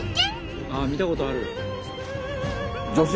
ああ見たことある！